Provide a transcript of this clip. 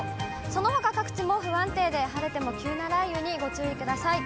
そのほか各地も不安定で、晴れても急な雷雨にご注意ください。